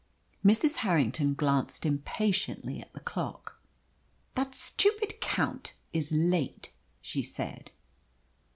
Mrs. Harrington glanced impatiently at the clock. "That stupid Count is late," she said.